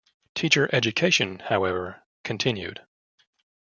Teacher education, however, continued.